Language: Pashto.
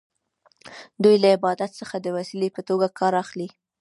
دوی له عبادت څخه د وسیلې په توګه کار اخلي.